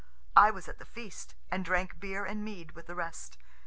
I was at the feast, and drank beer and mead with the rest.